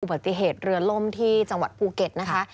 ปฏิเหตุเรือล่มที่จังหวัดภูเก็ตนะคะ